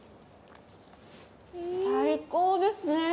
最高ですね。